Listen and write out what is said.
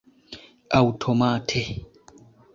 aŭtomate